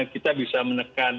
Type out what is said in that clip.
kita bisa menekan